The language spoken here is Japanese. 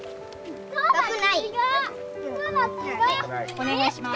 お願いします。